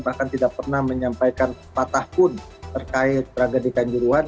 bahkan tidak pernah menyampaikan patah pun terkait teragadi kanjuruan